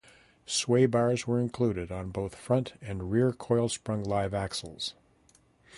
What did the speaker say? Sway bars were included on both front and rear coil-sprung live axles.